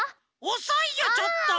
おそいよちょっと。